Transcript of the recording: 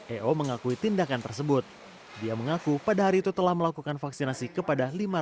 eo mengakui tindakan tersebut dia mengaku pada hari itu telah melakukan vaksinasi kepada lima ratus sembilan puluh sembilan orang